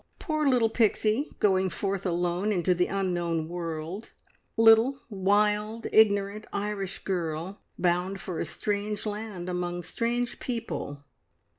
Poor little Pixie going forth alone into the unknown world little, wild, ignorant Irish girl, bound for a strange land among strange people!